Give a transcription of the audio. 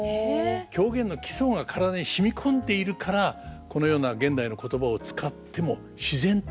狂言の基礎が体に染み込んでいるからこのような現代の言葉を使っても自然と狂言になるんでしょうね。